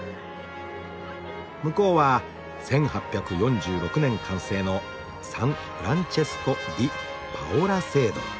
向こうは「１８４６年完成のサン・フランチェスコ・ディ・パオラ聖堂。